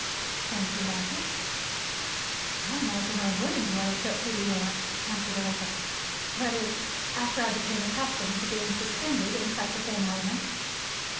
"Don't you like it?" "I imagine I would enjoy a trip through the air," answered Orissa; "that is, after I became accustomed to being suspended in such a thin element."